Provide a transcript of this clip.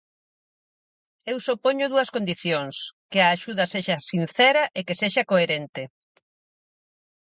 Eu só poño dúas condicións: que a axuda sexa sincera e que sexa coherente.